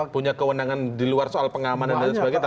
punya kewenangan di luar soal pengamanan dan sebagainya